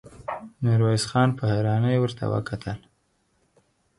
ميرويس خان په حيرانۍ ورته وکتل.